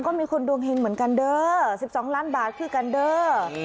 ก็มีคนดวงเฮงเหมือนกันเด้อสิบสองล้านบาทคือกันเด้อนี่